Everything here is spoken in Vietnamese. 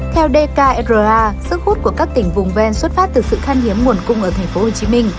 theo dkra sức hút của các tỉnh vùng ven xuất phát từ sự khăn hiếm nguồn cung ở tp hcm